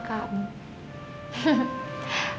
tapi kadang aku maus di rumah